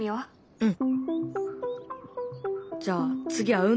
うん。